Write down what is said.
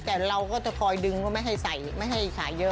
แต่เราก็จะคอยดึงว่าไม่ให้ใส่ไม่ให้ขายเยอะ